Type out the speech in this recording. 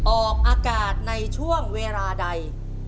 ออกอากาศในช่วงเวลาใด